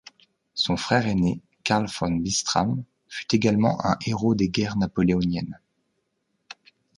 Son frère aîné, Karl von Bistram fut également un héros des Guerres napoléoniennes.